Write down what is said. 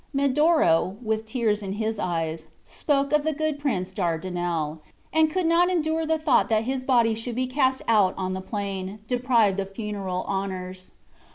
Medoro, with tears in his eyes, spoke of the good prince Dardinel, and could not endure the thought that his body should be cast out on the plain, deprived of funeral honors.